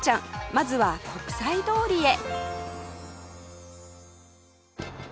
まずは国際通りへ